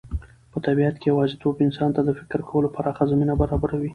په طبیعت کې یوازېتوب انسان ته د فکر کولو پراخه زمینه برابروي.